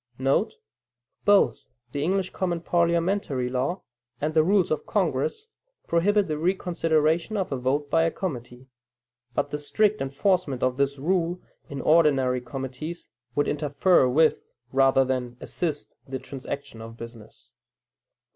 * [Both the English common parliamentary law and the rules of Congress prohibit the reconsideration of a vote by a committee; but the strict enforcement of this rule in ordinary committees, would interfere with rather than assist the transaction of business.